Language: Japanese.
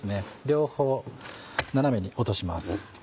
両方斜めに落とします。